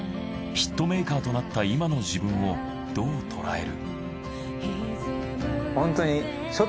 ヒットメーカーとなった今の自分をどうとらえる？